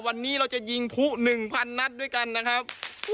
วันนี้เราจะยิงผู้๑๐๐นัดด้วยกันนะครับ